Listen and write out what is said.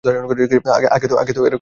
আগে তো এরকম পড়তে না দিনরাত?